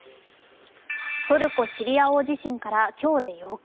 トルコ・シリア大地震から今日で８日。